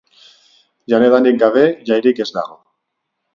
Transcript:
Jan-edanik gabe jairik ez dago.